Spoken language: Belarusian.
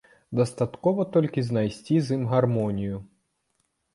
Дастаткова толькі знайсці з ім гармонію.